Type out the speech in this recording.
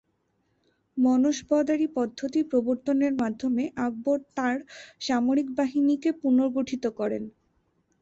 মনসবদারি পদ্ধতি প্রবর্তনের মাধ্যমে আকবর তাঁর সামরিক বাহিনীকে পুনর্গঠিত করেন।